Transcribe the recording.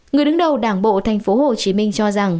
người đứng đầu đảng bộ tp hcm cho rằng